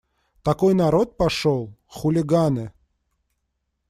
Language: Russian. Такой народ пошел… хулиганы.